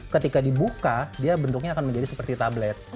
ketika dibuka dia bentuknya akan menjadi seperti tablet